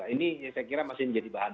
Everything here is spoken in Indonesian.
ini saya kira masih menjadi bahan